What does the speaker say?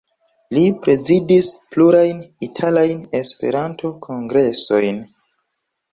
Li prezidis plurajn italajn Esperanto-kongresojn.